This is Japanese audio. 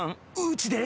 うちで？